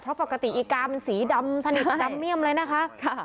เพราะปกติอีกามันสีดำสนิทดำเมี่ยมเลยนะคะ